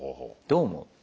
どう思う？